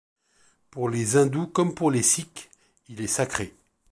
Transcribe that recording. Pour les Hindous comme pour les Sikhs, il est sacré.